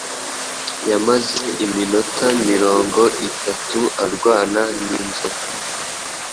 Yamaze iminota mirongo itatu arwana n’inzoka